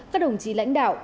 các đồng chí lãnh đạo